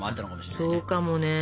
そうかもね。